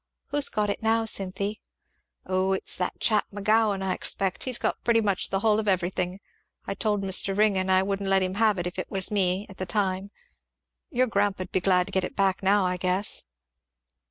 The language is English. "Who's got it now, Cynthy?" "O it's that chap McGowan, I expect; he's got pretty much the hull of everything. I told Mr. Ringgan I wouldn't let him have it if it was me, at the time. Your grandpa'd be glad to get it back now, I guess."